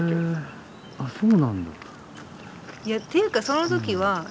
あっそうなんだ。